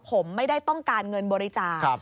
ผมไม่ได้ต้องการเงินบริจาค